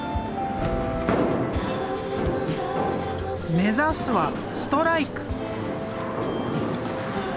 目指すはストライク。